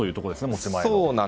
持ち前の。